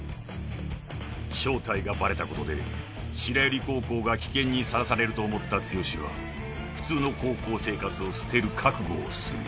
［正体がバレたことで白百合高校が危険にさらされると思った剛は普通の高校生活を捨てる覚悟をする］